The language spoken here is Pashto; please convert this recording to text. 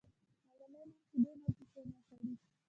ملالۍ نن شیدې نه دي تونه کړي.